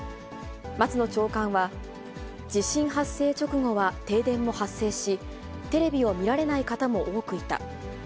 松野長官は、地震発生直後は停電も発生し、テレビを見られない方も多くいた。